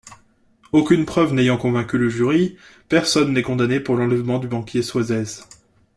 Aucune preuve n’ayant convaincu le jury, personne n'est condamné pour l’enlèvement du banquier Suazez.